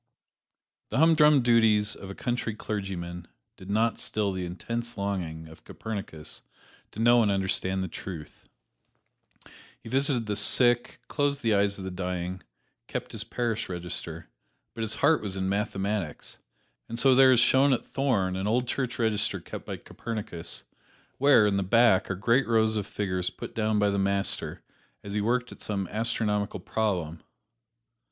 The humdrum duties of a country clergyman did not still the intense longing of Copernicus to know and understand the truth. He visited the sick, closed the eyes of the dying, kept his parish register, but his heart was in mathematics, and so there is shown at Thorn an old church register kept by Copernicus, where, in the back, are great rows of figures put down by the Master as he worked at some astronomical problem.